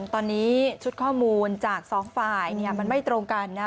ตอนนี้ชุดข้อมูลจากสองฝ่ายมันไม่ตรงกันนะ